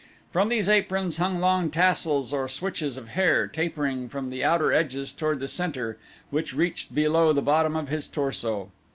From these aprons hung long tassels or switches of hair tapering from the outer edges toward the center which reached below the bottom of his torso.